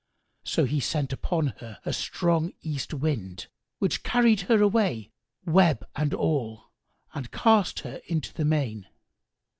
So he sent upon her a strong east Wind, which carried her away, web and all, and cast her into the main.